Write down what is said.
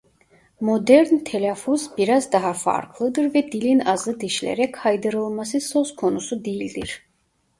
Modern telaffuz biraz daha farklıdır ve dilin azı dişlere kaydırılması söz konusu değildir.